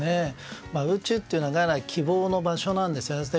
宇宙というのは希望の場所なんですよね。